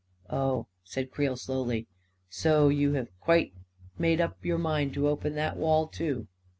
" Oh," said Creel, slowly, " so you have quite made up your mind to open that wall, too